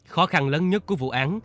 khó khăn lớn nhất của vụ án